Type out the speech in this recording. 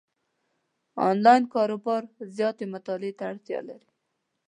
انلاین کاروبار زیاتې مطالعې ته اړتیا لري،